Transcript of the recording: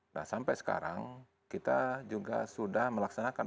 nah sampai sekarang kita juga sudah melaksanakan